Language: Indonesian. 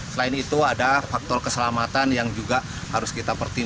selain itu ada faktor keselamatan yang juga harus kita pertimbangkan